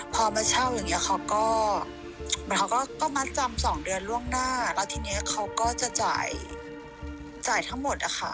พอมาเช่าอย่างเงี้เขาก็เหมือนเขาก็มัดจำสองเดือนล่วงหน้าแล้วทีนี้เขาก็จะจ่ายทั้งหมดอะค่ะ